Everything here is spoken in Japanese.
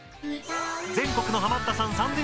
全国のハマったさん